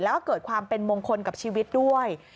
แล้วก็เกิดความเป็นมงคลกับชีวิตด้วย